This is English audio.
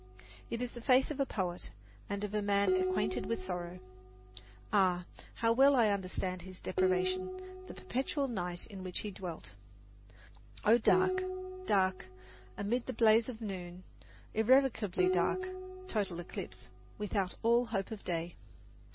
It is the face of a poet, and of a man acquainted with sorrow. Ah, how well I understand his deprivation the perpetual night in which he dwelt O dark, dark, amid the blaze of noon, Irrecoverably dark, total eclipse Without all hope of day!